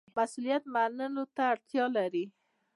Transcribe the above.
مسوولیت منلو ته اړتیا لري